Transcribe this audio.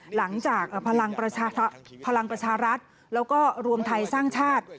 หลังจากพลังประชารัฐแล้วก็รวมไทยสร้างชาติ